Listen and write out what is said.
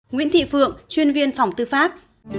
nguyễn thị phượng chuyên viên phòng tư pháp